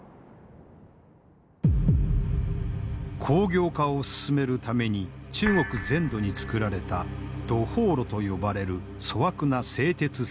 工業化を進めるために中国全土に作られた土法炉と呼ばれる粗悪な製鉄設備。